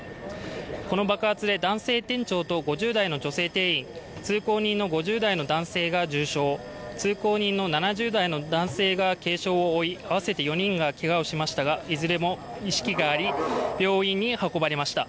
この爆発で、男性店長と５０代の女性店員、通行人の５０代の男性が重傷通行人の７０代の男性が軽傷を負い合わせて４人がけがをしましたがいずれも意識があり病院に運ばれました。